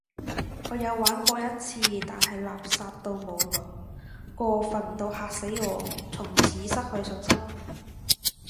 我有玩過一次，但係垃圾到無倫，過份到嚇死我，從此失去信心